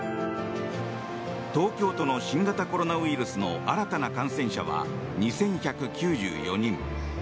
東京都の新型コロナウイルスの新たな感染者は２１９４人。